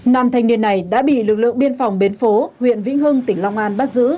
nam thanh niên này đã bị lực lượng biên phòng bến phố huyện vĩnh hưng tỉnh long an bắt giữ